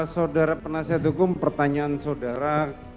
saudara penasihat hukum pertanyaan saudara